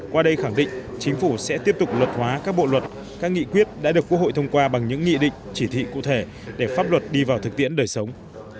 qua đây khẳng định chính phủ sẽ tiếp tục luật hóa các bộ luật các nghị quyết đã được quốc hội thông qua bằng những nghị định chỉ thị cụ thể để pháp luật đi vào thực tiễn đời sống